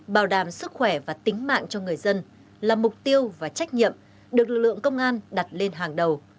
chúc đồng chí và tính mạng cho người dân là mục tiêu và trách nhiệm được lực lượng công an đặt lên hàng đầu